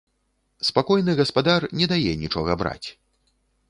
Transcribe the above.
Спакойны гаспадар не дае нічога браць.